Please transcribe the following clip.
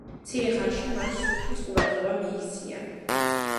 მცირე ხანში მან სულთნის ყურადღება მიიქცია.